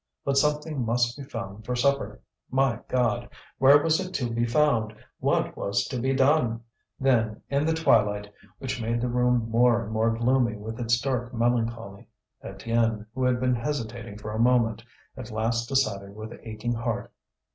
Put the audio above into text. But something must be found for supper. My God! where was it to be found, what was to be done? Then, in the twilight, which made the room more and more gloomy with its dark melancholy, Étienne, who had been hesitating for a moment, at last decided with aching heart.